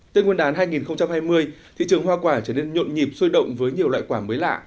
tên nguyên đán hai nghìn hai mươi thị trường hoa quả trở nên nhộn nhịp xôi động với nhiều loại quả mới lạ